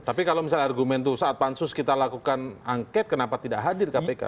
tapi kalau misalnya argumen itu saat pansus kita lakukan angket kenapa tidak hadir kpk